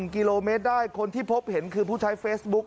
กิโลเมตรได้คนที่พบเห็นคือผู้ใช้เฟซบุ๊ค